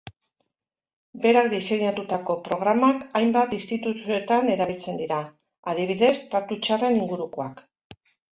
Berak diseinatutako programak hainbat instituzioetan erabiltzen dira, adibidez tratu-txarren ingurukoak.